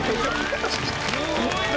すごいわ！